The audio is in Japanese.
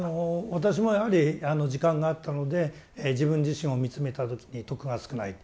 私もやはり時間があったので自分自身を見つめた時に徳が少ない